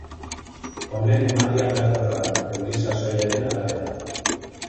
Honen emaria aldakorra da, euri-sasoiaren arabera.